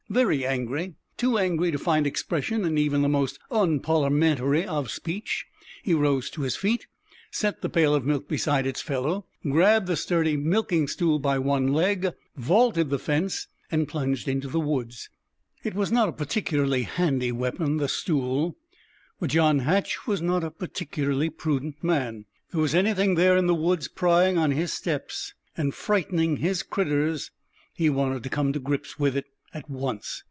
Very angry too angry to find expression in even the most unparliamentary of speech he rose to his feet, set the pail of milk beside its fellow, grabbed the sturdy milking stool by one leg, vaulted the fence, and plunged into the woods. It was not a particularly handy weapon, the stool, but John Hatch was not a particularly prudent man. If there was anything there in the woods, prying on his steps and frightening his "critters," he wanted to come to grips with it at once.